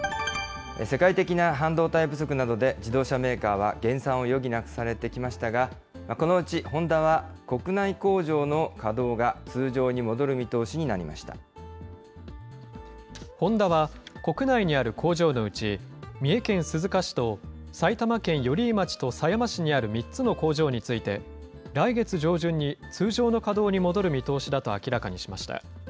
世界的な半導体不足などで、自動車メーカーは減産を余儀なくされてきましたが、このうちホンダは、国内工場の稼働が通常に戻る見通ホンダは国内にある工場のうち、三重県鈴鹿市と、埼玉県寄居町と狭山市にある３つの工場について、来月上旬に通常の稼働に戻る見通しだと明らかにしました。